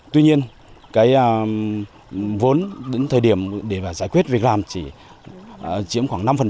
tuy nhiên cái vốn đến thời điểm để giải quyết việc làm chỉ chiếm khoảng năm